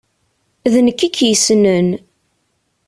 D nekk i k-yessnen!